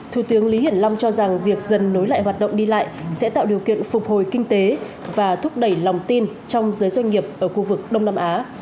thủ tướng lý hiển long cho rằng việc dần nối lại hoạt động đi lại sẽ tạo điều kiện phục hồi kinh tế và thúc đẩy lòng tin trong giới doanh nghiệp ở khu vực đông nam á